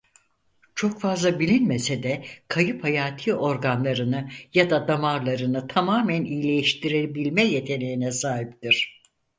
Çok fazla bilinmese de kayıp hayati organlarını ya da damarlarını tamamen iyileştirebilme yeteneğine sahiptir.